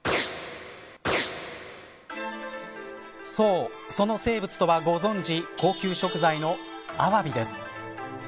そう、その生物とはご存じ、高級食材のアワビです。